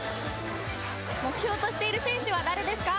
目標としている選手は誰ですか？